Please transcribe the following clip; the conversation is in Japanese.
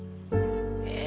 え？